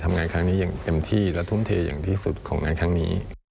ทำงานในที่เต็มที่และทุ่มเท